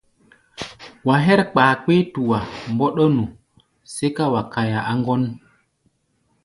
Wa hɛ́r kpakpé-tua mbɔ́ɗɔ́nu, sɛ́ká wa kaia á ŋgɔ́n.